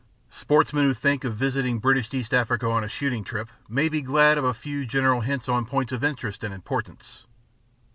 SPORTSMEN who think of visiting British East Africa on a shooting trip may be glad of a few general hints on points of interest and importance.